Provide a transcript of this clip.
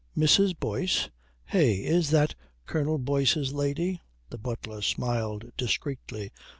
"Mrs. Boyce? Eh, is that Colonel Boyce's lady?" The butler smiled discreetly.